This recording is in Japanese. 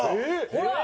ほら！